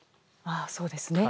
あそうですね。